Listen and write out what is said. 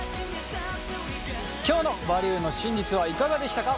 今日の「バリューの真実」はいかがでしたか？